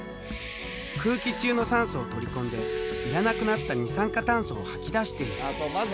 空気中の酸素を取り込んでいらなくなった二酸化炭素を吐き出している。